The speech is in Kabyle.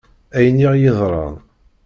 Ayen i ɣ-yeḍṛan.